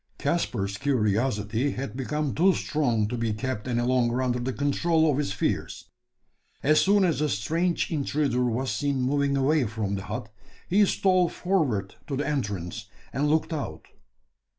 Caspar's curiosity had become too strong to be kept any longer under the control of his fears. As soon as the strange intruder was seen moving away from the hut, he stole forward to the entrance, and looked out.